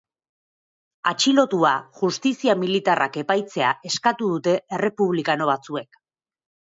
Atxilotua justizia militarrak epaitzea eskatu dute errepublikano batzuek.